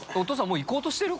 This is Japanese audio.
もう行こうとしてる？